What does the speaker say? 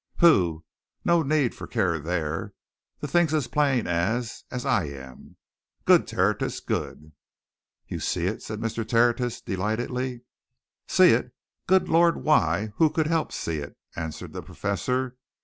Pooh! no need for care there. The thing's as plain as as I am. Good, Tertius, good!" "You see it?" said Mr. Tertius, delightedly. "See it! Good Lord, why, who could help see it?" answered the Professor.